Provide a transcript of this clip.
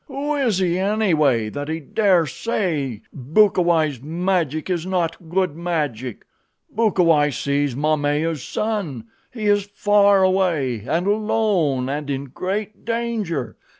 Who is he, anyway, that he dare say Bukawai's magic is not good magic? Bukawai sees Momaya's son. He is far away and alone and in great danger.